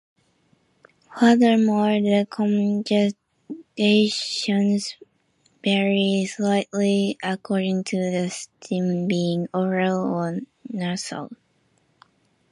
Furthermore, the conjugations vary slightly according to the stem being oral or nasal.